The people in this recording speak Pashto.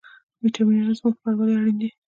ویټامینونه زموږ لپاره ولې اړین دي